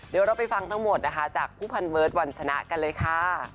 เดี๋ยวเราไปฟังทั้งหมดนะคะจากผู้พันเบิร์ตวันชนะกันเลยค่ะ